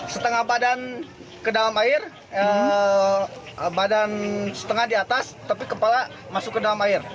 setengah badan ke dalam air badan setengah di atas tapi kepala masuk ke dalam air